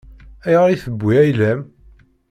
Ayɣer i tewwi ayla-m?